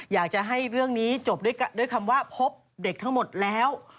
อยากจะให้เรื่องนี้จบด้วยคำว่าพบเด็กทั้งหมดแล้ว